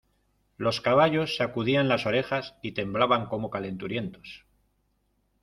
los caballos sacudían las orejas y temblaban como calenturientos.